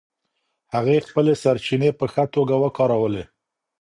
هغې خپلې سرچینې په ښه توګه وکارولې.